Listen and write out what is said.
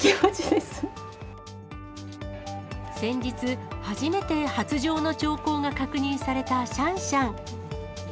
先日、初めて発情の兆候が確認されたシャンシャン。